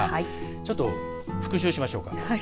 ちょっと復習しましょうか。